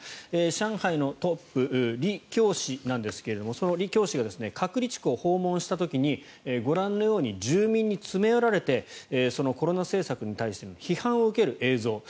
上海のトップリ・キョウ氏なんですがそのリ・キョウ氏が隔離地区を訪問した時にご覧のように住民に詰め寄られてそのコロナ政策に対しての批判を受ける映像